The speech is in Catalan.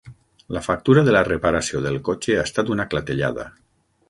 La factura de la reparació del cotxe ha estat una clatellada.